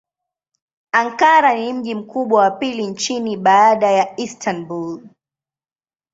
Ankara ni mji mkubwa wa pili nchini baada ya Istanbul.